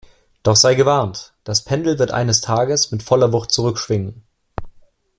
Doch sei gewarnt, das Pendel wird eines Tages mit voller Wucht zurückschwingen!